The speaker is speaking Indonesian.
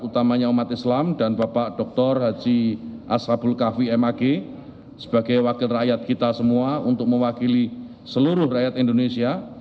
utamanya umat islam dan bapak dr haji ashabul kafi mag sebagai wakil rakyat kita semua untuk mewakili seluruh rakyat indonesia